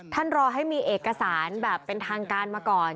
รอให้มีเอกสารแบบเป็นทางการมาก่อน